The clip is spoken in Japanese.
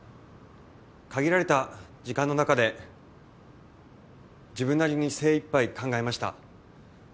限られた時間の中で自分なりに精一杯考えました。